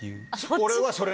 俺はそれ。